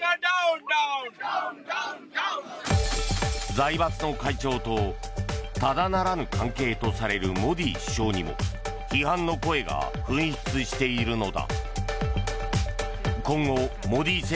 財閥の会長とただならぬ関係とされるモディ首相にも批判の声が噴出しているのだ。